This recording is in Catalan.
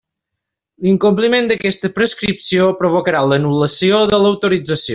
L'incompliment d'aquesta prescripció provocarà l'anul·lació de l'autorització.